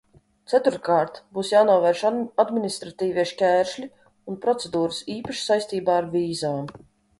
Ceturtkārt, būs jānovērš administratīvie šķēršļi un procedūras, īpaši saistībā ar vīzām.